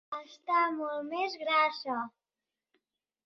Està molt més grassa!